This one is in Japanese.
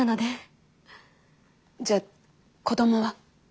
じゃあ子どもは？